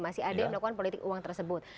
masih ada yang melakukan politik uang tersebut